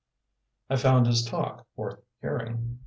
I found his talk worth hearing.